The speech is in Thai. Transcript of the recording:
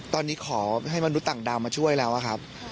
ตอนนี้ขอให้มนุษย์ต่างดาวมาช่วยแล้วครับ